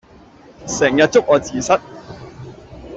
成日捉我字蝨